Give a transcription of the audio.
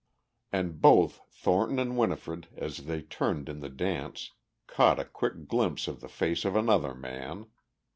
And both Thornton and Winifred as they turned in the dance caught a quick glimpse of the face of another man.